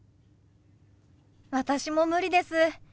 私も無理です。